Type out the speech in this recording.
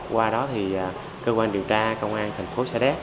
qua đó thì cơ quan điều tra công an thành phố sa đéc